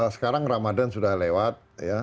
sekarang ramadhan sudah lewat